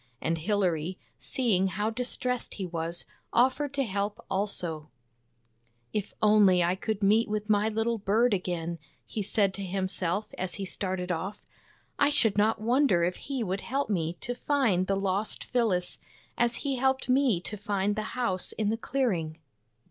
And Hilary, seeing how distressed he was, offered to help also. " If I could only meet with my little bird again," he said to himself as he started off, " I should not wonder if he would help me to find the lost Phyllis, as he helped me to find the house in the clearing."